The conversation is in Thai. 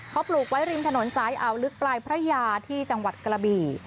เขาปลูกไว้ริมถนนซ้ายอ่าวลึกปลายพระยาที่จังหวัดกระบี่